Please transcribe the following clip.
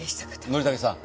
憲武さん。